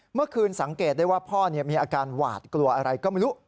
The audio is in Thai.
เมื่อคืนสังเกตได้ว่าพ่อมีอาการหวาดกลัวอะไรก็ไม่รู้